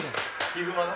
ヒグマの？